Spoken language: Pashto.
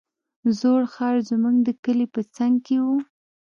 زوړ ښار زموږ د کلي په څنگ کښې و.